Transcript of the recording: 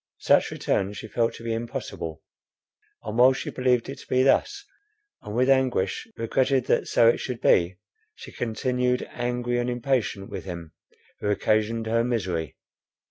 Such return she felt to be impossible; and while she believed it to be thus, and with anguish regretted that so it should be, she continued angry and impatient with him, who occasioned her misery.